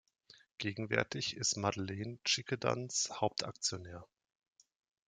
Gegenwärtig ist Madeleine Schickedanz Hauptaktionär.